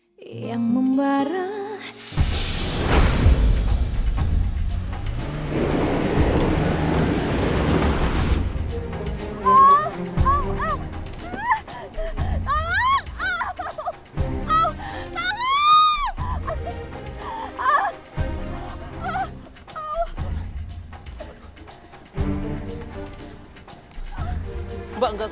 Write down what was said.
sampai jumpa di video selanjutnya